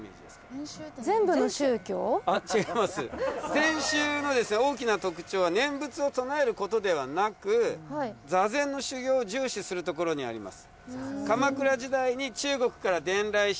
禅宗の大きな特徴は念仏を唱えることではなく座禅の修行を重視するところにあります。